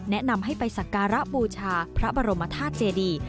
แนะนำให้ไปสักการะบูชาพระบรมธาตุเจดี